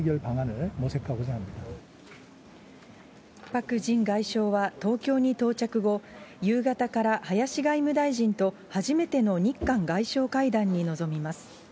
パク・ジン外相は東京に到着後、夕方から林外務大臣と、初めての日韓外相会談に臨みます。